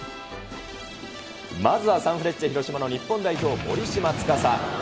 まずはサンフレッチェ広島の日本代表、森島司。